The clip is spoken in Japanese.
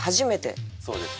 そうです。